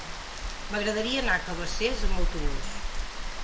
M'agradaria anar a Cabacés amb autobús.